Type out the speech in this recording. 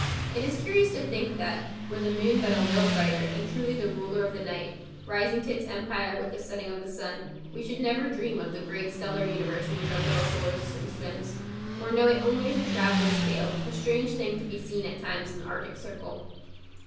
It is curious to think that, were the moon but a little brighter and truly the ruler of the night, rising to its empire with the setting of the sun, we should never dream of the great stellar universe in which our little solar system swims or know it only as a traveller's tale, a strange thing to be seen at times in the Arctic Circle.